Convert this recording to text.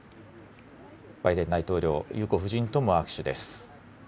バイデン大統領、裕子夫人とも握手です。